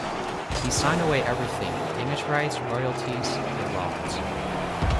He signed away everything - image rights, royalties, the lot.